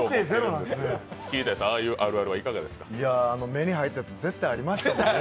目に入ったやつ絶対ありましたもんね。